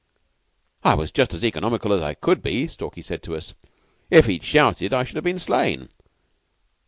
"'I was just as economical as I could be,' Stalky said to us. 'If he'd shouted I should have been slain.